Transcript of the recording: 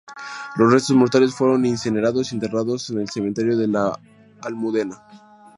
Los restos mortales fueron incinerados y enterrados en el cementerio de La Almudena.